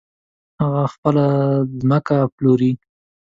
هغه خپله ځمکه پلوري .